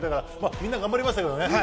みんな頑張りましたけどね。